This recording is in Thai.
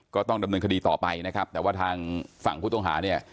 ก็ต้องดำเนินคดีต่อไปนะครับแต่ว่าทางฝั่งผู้ต้องหาเนี่ย